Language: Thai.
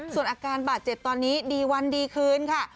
ส่วนอาการบาดเจ็บตอนนี้ดีวันดีคืนค่ะ